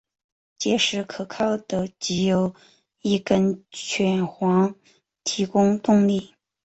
结实可靠的藉由一根卷簧提供动力。